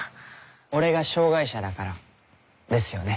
俺が障がい者だからですよね？